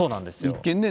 一見ね